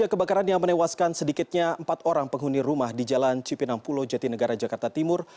kebakaran yang menewaskan sedikitnya empat orang penghuni rumah di jalan cipinang pulau jatinegara jakarta timur